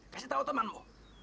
kasih tahu temanmu